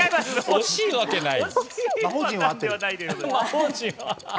惜しいわけない。